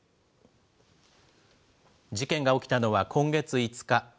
事件が起きたのは今月５日。